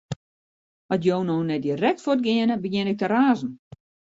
At jo no net direkt fuort geane, begjin ik te razen.